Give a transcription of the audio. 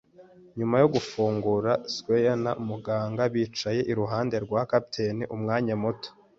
Nyuma yo gufungura squire na muganga bicaye iruhande rwa capitaine umwanya muto